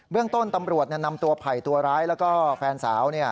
เรื่องต้นตำรวจนำตัวไผ่ตัวร้ายแล้วก็แฟนสาว